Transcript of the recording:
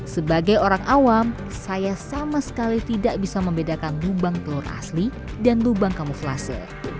sebagai orang awam saya sama sekali tidak bisa membedakan lubang telur asli dan lubang kamuflase